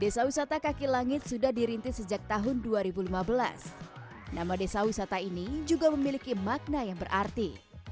desa wisata kaki langit sudah dirintis sejak tahun dua ribu lima belas nama desa wisata ini juga memiliki makna yang berarti